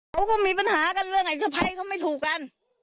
เขาก็มีปัญหากันเรื่องไอ้สะพ้ายเขาไม่ถูกกัน